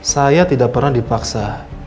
saya tidak pernah dipaksa